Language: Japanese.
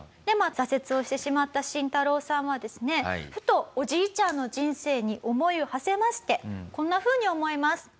でまあ挫折をしてしまったシンタロウさんはですねふとおじいちゃんの人生に思いをはせましてこんなふうに思います。